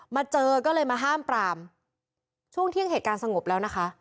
มาเจอก็เลยมาห้ามปรามช่วงเที่ยงเหตุการณ์สงบแล้วนะคะ